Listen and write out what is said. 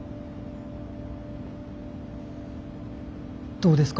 どうですか？